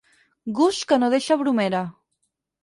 Gust que no deixa bromera.